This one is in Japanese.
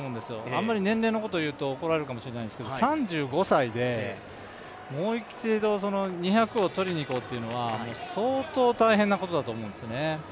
あんまり年齢のことを言う怒られるかもしれないですけど３５歳でもう一度、２００を取りに行こうというのは相当大変なことだと思うんですよね。